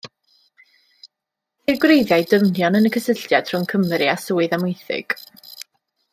Ceir gwreiddiau dyfnion yn y cysylltiad rhwng Cymru a Swydd Amwythig.